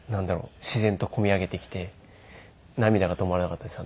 自然とこみ上げてきて涙が止まらなかったです